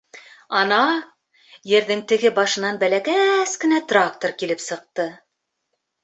Ана, ерҙең теге башынан бәләкәс кенә трактор килеп сыҡты.